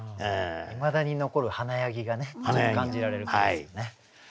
いまだに残る華やぎがね感じられる句ですよね。